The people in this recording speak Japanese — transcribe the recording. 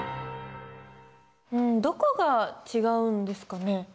うんどこが違うんですかね。